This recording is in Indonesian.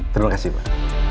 terima kasih pak